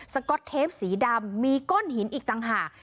ก๊อตเทปสีดำมีก้อนหินอีกต่างหาก